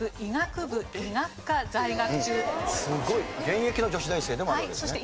現役の女子大生でもあるわけですね。